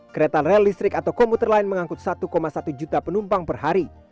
kereta rel listrik atau komuter lain mengangkut satu satu juta penumpang per hari